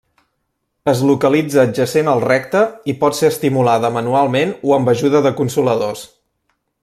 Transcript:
Es localitza adjacent al recte, i pot ser estimulada manualment o amb ajuda de consoladors.